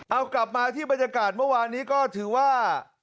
เอากลับมาที่บรรยากาศเมื่อวานนี้ก็ถือว่า